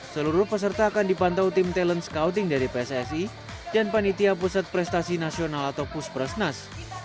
seluruh peserta akan dipantau tim talent scouting dari pssi dan panitia pusat prestasi nasional atau puspresnas